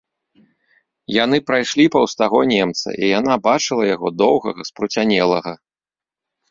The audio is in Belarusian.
Яны прайшлі паўз таго немца, і яна бачыла яго, доўгага, спруцянелага.